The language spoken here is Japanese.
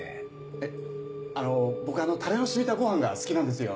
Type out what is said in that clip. えっあの僕あのタレの染みたご飯が好きなんですよ。